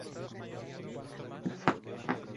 La única diferencia de ambas versiones era la motorización.